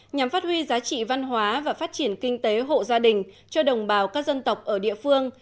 nhằm phát huy giá trị văn hóa và phát triển kinh tế hộ gia đình cho đồng bào các dân tộc ở địa phương